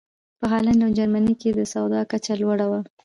په هالنډ او جرمني کې د سواد کچه لوړه وه.